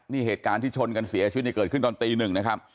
นี่เหตุการณ์ที่ชนกันเสียชีวิตเกิดขึ้นตอนตีหนึ่งนะครับ